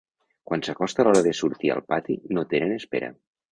Quan s'acosta l'hora de sortir al pati, no tenen espera.